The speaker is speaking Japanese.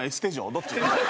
どっち？